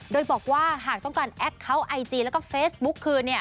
โดยบอกว่าหากต้องการแอคเคาน์ไอจีแล้วก็เฟซบุ๊กคืน